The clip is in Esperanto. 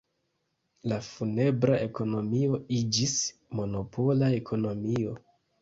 La funebra ekonomio iĝis monopola ekonomio.